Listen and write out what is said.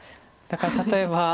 だから例えば。